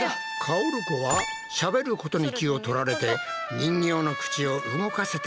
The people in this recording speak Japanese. かおるこはしゃべることに気を取られて人形の口を動かせていなかった。